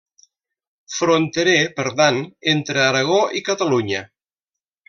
Fronterer, per tant, entre Aragó i Catalunya.